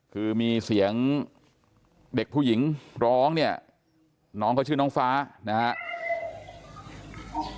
คือมีเสียงเด็กผู้หญิงร้องเนี่ยน้องเขาชื่อน้องฟ้านะครับ